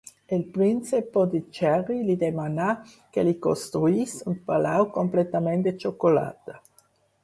El príncep Pondicherry li demanà que li construís un palau completament de xocolata.